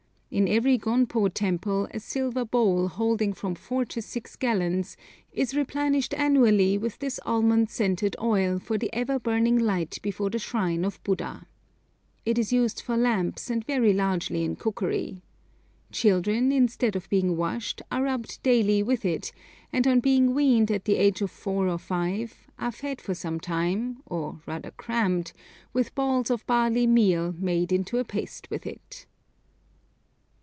In every gonpo temple a silver bowl holding from four to six gallons is replenished annually with this almond scented oil for the ever burning light before the shrine of Buddha. It is used for lamps, and very largely in cookery. Children, instead of being washed, are rubbed daily with it, and on being weaned at the age of four or five, are fed for some time, or rather crammed, with balls of barley meal made into a paste with it.